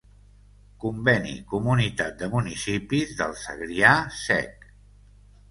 Conveni Comunitat de Municipis del Segrià Sec.